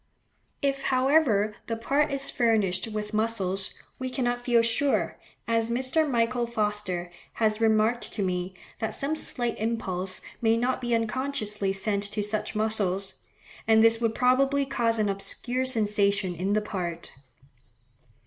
If, however, the part is furnished with muscles, we cannot feel sure, as Mr. Michael Foster has remarked to me, that some slight impulse may not be unconsciously sent to such muscles; and this would probably cause an obscure sensation in the part.